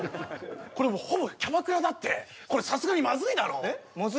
これもうほぼキャバクラだってこれさすがにまずいだろえっまずい？